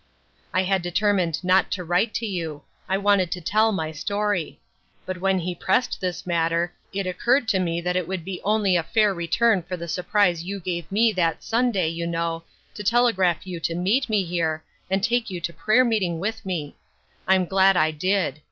I had determined not to write to you ; I wanted to tell my story ; but when he pressed this matter, it occurred to me that it would be only a fair return for the sur prise you gave me that Sunday, you know, to telegraph you to meet me here, and take you to prayer meeting with me ; I'm glad I did.